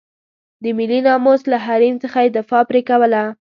د ملي ناموس له حریم څخه یې دفاع پرې کوله.